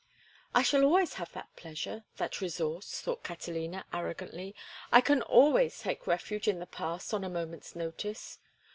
"I shall always have that pleasure, that resource," thought Catalina, arrogantly. "I can always take refuge in the past on a moment's notice.